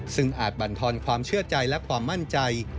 ซึ่งอาจบรรทอนความเชื่อใจและความมั่นใจ